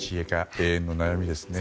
永遠の悩みですね。